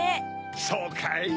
そうかい？